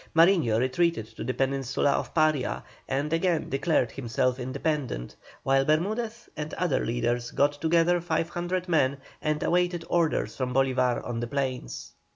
Mariño retreated to the peninsula of Paria and again declared himself independent, while Bermudez and other leaders got together 500 men and awaited orders from Bolívar on the plains.